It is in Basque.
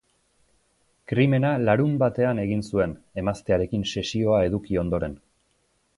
Krimena larunbatean egin zuen, emaztearekin sesioa eduki ondoren.